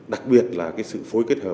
đặc biệt là cái sự phát triển của lãnh đạo